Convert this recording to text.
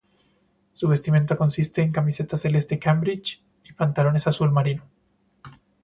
Su vestimenta consiste en camiseta celeste Cambridge y pantalones azul marino.